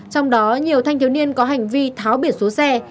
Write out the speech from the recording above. trong đó nhiều thanh thiếu niên có hành vi tháo biển số xe